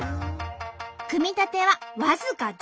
組み立ては僅か１０分。